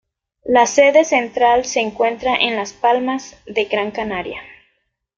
La sede central se encuentra en Las Palmas de Gran Canaria.